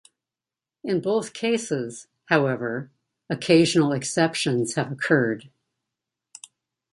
In both cases, however, occasional exceptions have occurred.